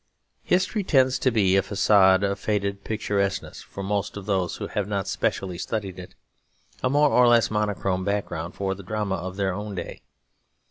History tends to be a facade of faded picturesqueness for most of those who have not specially studied it: a more or less monochrome background for the drama of their own day.